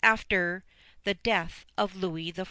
After the death of Louis XIV.